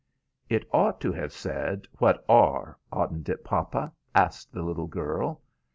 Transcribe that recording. '" "It ought to have said 'what are,' oughtn't it, papa?" asked the little girl.